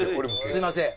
すいません。